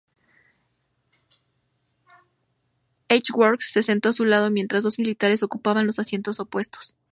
Edgeworth se sentó a su lado, mientras dos militares ocuparon los asientos opuestos.